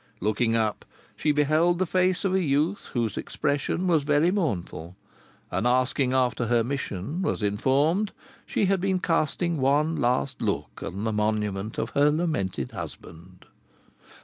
Looking up she beheld the face of a youth whose expression was very mournful, and asking after her mission, was informed she had been casting one last look on the monument of her lamented husband.